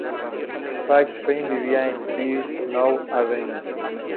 Gracie Fields vivía en The Bishop's Avenue.